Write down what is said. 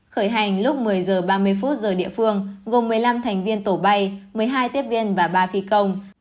khởi hành lúc một mươi h ba mươi giờ địa phương gồm một mươi năm thành viên tổ bay một mươi hai tiếp viên và ba phi công